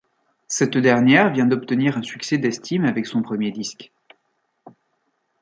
Cette dernière vient d'obtenir un succès d'estime avec son premier disque.